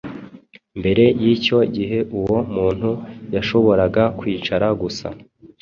Mbere y’icyo gihe uwo muntu yashoboraga kwicara gusa